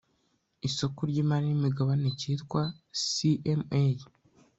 isoko ry imari n imigabane cyitwa CMA